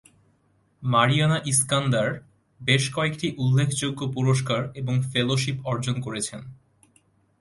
Mariana Iskandar বেশ কয়েকটি উল্লেখযোগ্য পুরষ্কার এবং ফেলোশিপ অর্জন করেছেন।